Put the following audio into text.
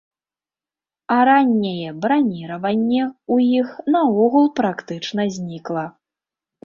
А ранняе браніраванне ў іх наогул практычна знікла.